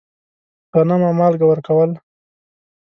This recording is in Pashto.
غنم او مالګه ورکول.